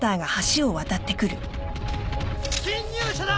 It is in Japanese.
侵入者だ！